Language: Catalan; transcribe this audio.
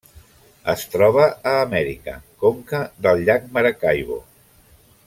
Es troba a Amèrica: conca del llac Maracaibo.